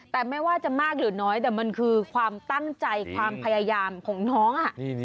แต่ไม่ว่าจะมากหรือน้อยแต่มันคือความตั้งใจความพยายามของน้อง